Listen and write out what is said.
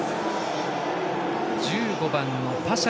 １５番のパシャ